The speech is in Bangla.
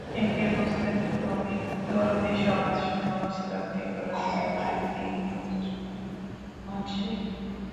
একে বুঝতে হলে গভীর দরদি সমাজ মনস্তাত্ত্বিক ও রাজনীতিমনস্ক মন চাই।